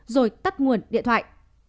rồi tắt nguồn điện thoại